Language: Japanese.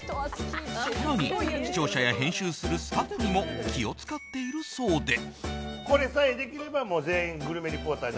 更に視聴者や編集するスタッフにも気を使っているそうで。